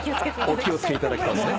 お気を付けいただきたい。